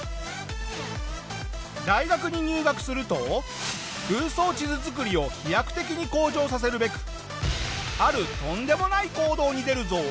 大学に入学すると空想地図作りを飛躍的に向上させるべくあるとんでもない行動に出るぞ。